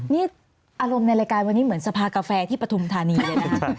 นี่อารมณ์ในรายการวันนี้เหมือนสภากาแฟที่ปฐุมธานีเลยนะคะ